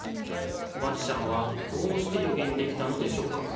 マジシャンはどうしてよげんできたのでしょうか。